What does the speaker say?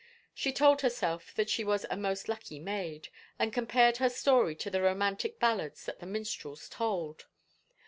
She told herself that she was a most lucky maid, and compared her story to the romantic ballads that the minstrels told.